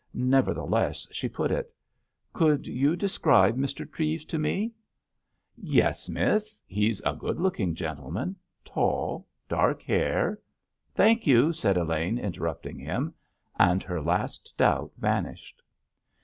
Nevertheless, she put it. "Could you describe Mr. Treves to me?" "Yes, miss. He's a good looking gentleman. Tall, dark hair——" "Thank you," said Elaine, interrupting him—and her last doubt vanished.